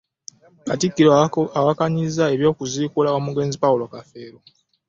Katikkiro awakanyizza eby'okuziikula omugenzi Paulo Kafeero